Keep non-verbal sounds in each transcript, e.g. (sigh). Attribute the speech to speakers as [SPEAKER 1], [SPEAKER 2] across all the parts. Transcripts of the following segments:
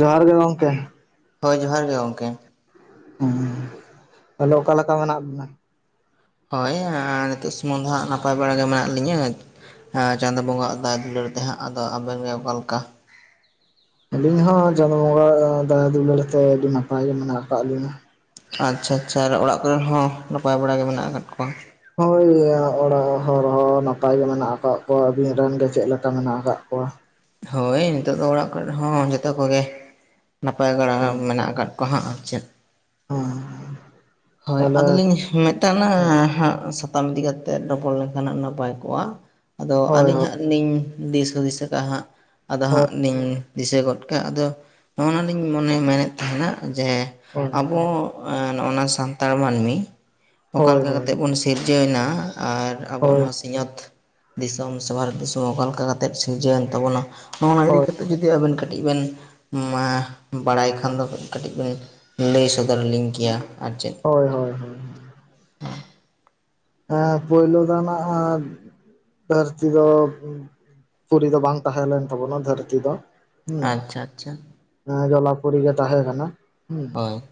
[SPEAKER 1] ᱡᱚᱦᱟᱨ ᱜᱮ ᱜᱚᱝᱠᱮ᱾
[SPEAKER 2] ᱦᱳᱭ ᱡᱚᱦᱟᱨ ᱜᱮ ᱜᱚᱢᱠᱮ᱾
[SPEAKER 1] ᱦᱮᱸ ᱛᱟᱦᱚᱞᱮ ᱚᱠᱟᱞᱮᱠᱟ ᱢᱮᱱᱟᱜ ᱵᱚᱱᱟ?
[SPEAKER 2] ᱦᱳᱭ ᱱᱤᱛᱚᱜ ᱥᱩᱢᱩᱝ ᱫᱚ ᱦᱟᱸᱜ ᱱᱟᱯᱟᱭ ᱵᱟᱲᱟ ᱜᱮ ᱢᱮᱱᱟᱜ ᱞᱤᱧᱟᱹ᱾ ᱦᱮᱸ ᱪᱟᱸᱫᱚ ᱵᱚᱸᱜᱟ ᱟᱜ ᱫᱟᱭᱟ ᱫᱩᱞᱟᱹᱲ ᱛᱮ ᱦᱟᱸᱜ, ᱟᱫᱚ ᱟᱵᱮᱱ ᱜᱮ ᱚᱠᱟ ᱞᱮᱠᱟ?
[SPEAKER 1] ᱟᱹᱞᱤᱧ ᱦᱚᱸ ᱪᱟᱸᱫᱳ ᱵᱚᱸᱜᱟ ᱫᱟᱭᱟ ᱫᱩᱞᱟᱹᱲ ᱛᱮ ᱟᱹᱰᱤ ᱱᱟᱯᱟᱭ ᱜᱮ ᱢᱮᱱᱟᱜ ᱠᱟᱜ ᱞᱤᱧᱟ᱾
[SPEAKER 2] ᱟᱪᱪᱷᱟ ᱟᱪᱪᱷᱟ ᱟᱨ ᱚᱲᱟᱜ ᱠᱚᱨᱮᱱ ᱦᱚᱸ ᱱᱟᱯᱟᱭ ᱵᱟᱲᱟ ᱜᱮ ᱢᱮᱱᱟᱜ ᱟᱠᱟᱫ ᱠᱚᱣᱟ?
[SPEAKER 1] ᱦᱳᱭ ᱚᱲᱟᱜ ᱦᱚᱲ ᱦᱚᱸ ᱱᱟᱯᱟᱭ ᱜᱮ ᱢᱮᱱᱟᱜ ᱟᱠᱟᱫ ᱠᱚᱣᱟ᱾ ᱟᱵᱤᱱ ᱨᱮᱱ ᱜᱮ ᱪᱮᱫ ᱞᱮᱠᱟ ᱢᱮᱱᱟᱜ ᱟᱠᱟᱫ ᱠᱚᱣᱟ?
[SPEAKER 2] ᱦᱳᱭ ᱱᱤᱛᱚᱜ ᱫᱚ ᱚᱲᱟᱜ ᱠᱚᱨᱮ ᱨᱮᱦᱚᱸ ᱡᱚᱛᱚ ᱠᱚᱜᱮ, ᱱᱟᱯᱟᱭ ᱵᱟᱲᱟ
[SPEAKER 1] ᱦᱳᱭ
[SPEAKER 2] ᱢᱮᱱᱟᱜ ᱟᱠᱟᱫ ᱠᱚᱣᱟ᱾ ᱠᱟᱜ ᱟᱨ ᱪᱮᱫ
[SPEAKER 1] ᱦᱮᱸ
[SPEAKER 2] ᱦᱳᱭ
[SPEAKER 1] ᱛᱟᱦᱞᱮ
[SPEAKER 2] ᱟᱫᱚᱞᱤᱧ ᱢᱮᱛᱟᱢᱟ ᱦᱟᱸᱜ ᱥᱟᱛᱟᱢ ᱤᱫᱤ ᱠᱟᱛᱮ ᱨᱚᱯᱚᱲ ᱞᱮᱱᱠᱷᱟᱱ ᱱᱟᱯᱟᱭ ᱠᱚᱜᱼᱟ, ᱟᱫᱚ
[SPEAKER 1] ᱦᱳᱭ
[SPEAKER 2] ᱟᱹᱞᱤᱧ ᱦᱟᱸᱜ ᱞᱤᱧ ᱫᱤᱥ ᱦᱩᱫᱤᱥ ᱟᱠᱟᱫᱼᱟ, ᱦᱟᱸᱜ ᱟᱫᱚ
[SPEAKER 1] ᱦᱳᱭ
[SPEAKER 2] ᱦᱟᱸᱜ ᱞᱤᱧ ᱫᱤᱥᱟᱹ ᱜᱚᱫ ᱠᱟᱜ ᱟᱫᱚ ᱱᱚᱜᱼᱱᱟᱞᱤᱧ ᱢᱚᱱᱮ ᱢᱮᱱᱮᱫ ᱛᱟᱦᱮᱱᱟ ᱡᱮ
[SPEAKER 1] ᱦᱳᱭ
[SPEAKER 2] ᱟᱵᱚ ᱱᱚᱜ ᱱᱟ ᱥᱟᱱᱛᱟᱲ ᱢᱟᱹᱱᱢᱤ ᱚᱠᱟ
[SPEAKER 1] ᱦᱳᱭ
[SPEAKER 2] ᱞᱮᱠᱟ
[SPEAKER 1] ᱦᱳᱭ
[SPEAKER 2] ᱠᱟᱛᱮᱜ ᱵᱚᱱ ᱥᱤᱨᱡᱟᱹᱣ ᱱᱟ, ᱟᱨ ᱟᱵᱚᱣᱟᱜ
[SPEAKER 1] ᱦᱳᱭ
[SPEAKER 2] ᱱᱚᱣᱟ ᱥᱤᱧᱚᱛ ᱫᱤᱥᱚᱢ ᱥᱮ ᱵᱷᱟᱨᱚᱛ ᱫᱤᱥᱚᱢ ᱚᱠᱟ ᱞᱮᱠᱟ ᱠᱟᱛᱮᱫ ᱥᱤᱨᱡᱟᱹᱣᱮᱱ ᱛᱟᱵᱚᱱᱟ? ᱱᱚᱜᱼ ᱱᱟ ᱤᱫᱤ ᱠᱟ
[SPEAKER 1] ᱦᱳᱭ
[SPEAKER 2] ᱠᱟᱛᱮᱫ ᱡᱩᱫᱤ ᱟᱵᱮᱱ ᱠᱟᱹᱴᱤᱡ ᱵᱮᱱ ᱢᱟ ᱵᱟᱲᱟᱭ ᱠᱷᱟᱱ ᱫᱚ ᱠᱟᱹᱴᱤᱡ ᱵᱤᱱ ᱞᱟᱹᱭ ᱥᱚᱫᱚᱨ ᱞᱤᱧ ᱠᱮᱭᱟ, ᱟᱨ ᱪᱮᱫ
[SPEAKER 1] ᱦᱳᱭ ᱦᱳᱭ ᱦᱳᱭ ᱦᱮᱸ ᱯᱳᱭᱞᱳ ᱫᱚᱱᱟᱜ ᱫᱷᱟᱹᱨᱛᱤ ᱫᱚ ᱯᱩᱨᱤ ᱫᱚ ᱵᱟᱝ ᱛᱟᱦᱮᱸ ᱞᱮᱱ ᱛᱟᱵᱚᱱᱟ ᱫᱷᱟᱹᱨᱛᱤ ᱫᱚ᱾ ᱦᱩᱸ
[SPEAKER 2] ᱟᱪᱪᱷᱟ ᱟᱪᱪᱷᱟ
[SPEAKER 1] ᱡᱚᱞᱟᱯᱩᱨᱤ ᱜᱮ ᱛᱟᱦᱮᱸ ᱠᱟᱱᱟ᱾ ᱦᱩᱸ
[SPEAKER 2] ᱦᱳᱭ᱾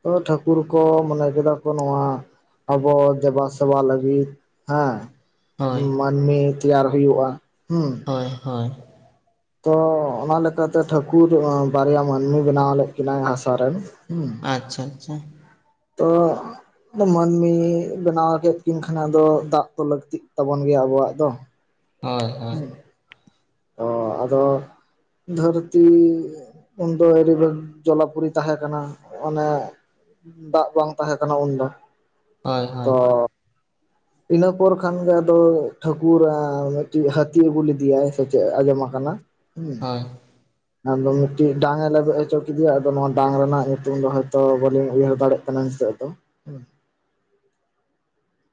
[SPEAKER 1] ᱛᱚᱵᱮ ᱴᱷᱟᱹᱠᱩᱨ ᱠᱚ ᱢᱚᱱᱮ ᱠᱮᱫᱟ ᱠᱚ ᱱᱚᱣᱟ ᱟᱵᱚ ᱫᱮᱵᱟ ᱥᱮᱵᱟ ᱞᱟᱹᱜᱤᱫ ᱦᱮᱸ
[SPEAKER 2] ᱦᱳᱭ
[SPEAKER 1] ᱢᱟᱹᱱᱢᱤ ᱛᱮᱭᱟᱨ ᱦᱩᱭᱩᱜᱼᱟ ᱦᱩᱸ᱾
[SPEAKER 2] ᱦᱳᱭ ᱦᱳᱭ᱾
[SPEAKER 1] ᱛᱚ ᱚᱱᱟ ᱞᱮᱠᱟᱛᱮ ᱴᱷᱟᱹᱠᱩᱨ ᱵᱟᱨᱭᱟ ᱢᱟᱹᱱᱢᱤ ᱵᱮᱱᱟᱣ ᱞᱮᱫ ᱠᱤᱱᱟᱭ ᱦᱟᱸᱥᱟ ᱨᱮᱱ ᱦᱩᱸ᱾
[SPEAKER 2] ᱟᱪᱪᱷᱟ ᱟᱪᱪᱷᱟ᱾
[SPEAKER 1] ᱛᱚ ᱢᱟᱹᱱᱢᱤ ᱵᱮᱱᱟᱣ ᱠᱮᱫ ᱠᱤᱱ ᱠᱷᱟᱱ ᱟᱫᱚ ᱫᱟᱜ ᱛᱚ ᱞᱟᱹᱠᱛᱤᱜ ᱛᱟᱵᱚᱱ ᱜᱮᱭᱟ ᱟᱵᱚᱣᱟᱜ ᱫᱚ᱾
[SPEAKER 2] ᱦᱳᱭ ᱦᱳᱭ
[SPEAKER 1] ᱦᱩᱸ ᱚ ᱟᱫᱚ ᱫᱷᱟᱹᱨᱛᱤ ᱩᱱᱫᱚ (unintelligible) ᱡᱚᱞᱟᱯᱩᱨᱤ ᱛᱟᱦᱮᱸ ᱠᱟᱱᱟ ᱚᱱᱮ ᱫᱟᱜ ᱵᱟᱝ ᱛᱟᱦᱮᱸ ᱠᱟᱱᱟ ᱩᱱᱫᱚ᱾
[SPEAKER 2] ᱦᱳᱭ
[SPEAKER 1] ᱛᱚ
[SPEAKER 2] ᱦᱳᱭ᱾
[SPEAKER 1] ᱤᱱᱟᱹ ᱯᱚᱨ ᱠᱷᱟᱱᱜᱮ ᱟᱫᱚ ᱴᱷᱟᱹᱠᱩᱨ ᱟ ᱢᱤᱫᱴᱮᱱ ᱦᱟᱹᱛᱤ ᱟᱹᱜᱩ ᱞᱮᱫᱮᱭᱟᱭ ᱥᱮᱪᱮᱫ ᱮ ᱟᱸᱡᱚᱢ ᱟᱠᱟᱱᱟ᱾
[SPEAKER 2] ᱦᱳᱭ
[SPEAKER 1] (unintelligible) ᱟᱫᱚ ᱢᱤᱫᱴᱤᱡ ᱰᱟᱝ ᱮ ᱞᱮᱵᱮᱫ ᱦᱚᱪᱚ ᱠᱮᱫᱮᱭᱟ ᱟᱫᱚ ᱱᱚᱣᱟ ᱰᱟᱝ ᱨᱮᱱᱟᱜ ᱧᱩᱛᱩᱢ ᱫᱚ ᱦᱚᱭᱛᱚ ᱵᱟᱹᱞᱤᱧ ᱩᱭᱦᱟᱹᱨ ᱫᱟᱲᱮᱭᱟᱜ ᱠᱟᱱᱟ ᱱᱤᱛᱚᱜ ᱫᱚ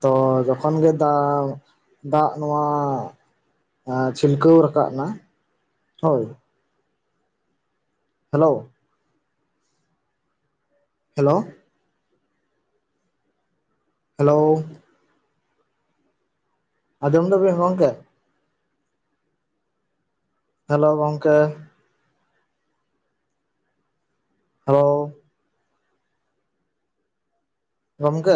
[SPEAKER 1] ᱛᱚ ᱡᱚᱠᱷᱚᱱ ᱜᱮ ᱫᱟᱜ ᱫᱟᱜ ᱱᱚᱣᱟ ᱪᱷᱤᱞᱠᱟᱹᱣ ᱨᱟᱠᱟᱵ ᱮᱱᱟ ᱦᱳᱭ ᱦᱮᱞᱳ ᱦᱮᱞᱳ ᱦᱮᱞᱳ ᱟᱡᱚᱢᱮᱫᱟ ᱵᱤᱱ ᱜᱚᱝᱠᱮ ᱦᱮᱞᱳ ᱜᱚᱝᱠᱮ ᱦᱮᱞᱳ ᱜᱚᱢᱠᱮ